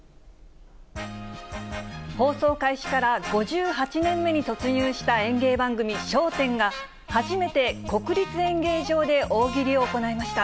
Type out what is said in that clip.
放送開始から５８年目に突入した演芸番組、笑点が、初めて国立演芸場で大喜利を行いました。